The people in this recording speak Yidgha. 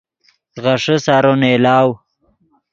غیݰے سارو نئیلاؤ